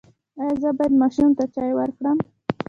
ایا زه باید ماشوم ته چای ورکړم؟